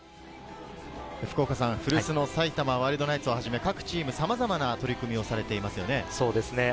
福岡さん、古巣の埼玉ワイルドナイツをはじめ、各チームさまざま取り組みをされています